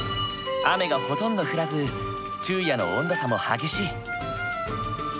雨がほとんど降らず昼夜の温度差も激しい。